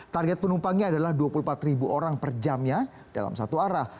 target penumpangnya adalah dua puluh empat ribu orang per jamnya dalam satu arah